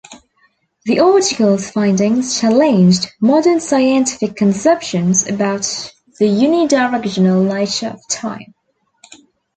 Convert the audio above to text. The article's findings challenged modern scientific conceptions about the unidirectional nature of time.